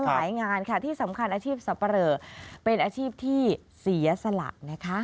งานค่ะที่สำคัญอาชีพสับปะเรอเป็นอาชีพที่เสียสละนะคะ